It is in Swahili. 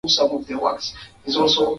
Ukwaru ni ya zaidi ya ziro nukta tano